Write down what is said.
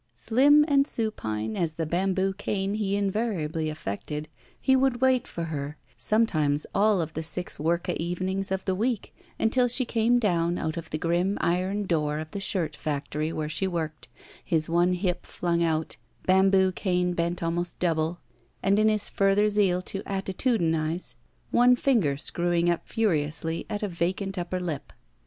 Slim and supine as the bamboo cane he invariably affected, he would wait for her, sometimes all of the six work a evenings of the week, until she came down out of the grim iron door of the shirt factory where she worked, his one hip flung out, bamboo cane bent almost double, and, in his further zeal to attitudinize, one finger screwing up furiously at a vacant upper lip.